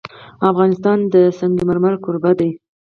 افغانستان د سنگ مرمر کوربه دی.